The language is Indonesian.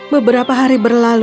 beberapa hari berlalu